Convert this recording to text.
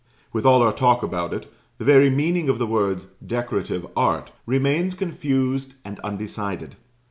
With all our talk about it, the very meaning of the words "Decorative art" remains confused and undecided.